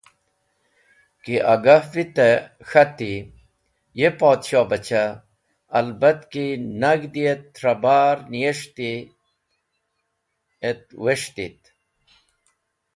Ki agah vitey, k̃hati: “Ye Podshohbachah! Albat ki nag̃hdi et trẽ bar niyes̃hti et wes̃htit.”